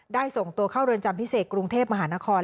ส่งตัวเข้าเรือนจำพิเศษกรุงเทพมหานคร